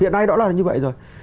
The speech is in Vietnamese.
hiện nay đó là như vậy rồi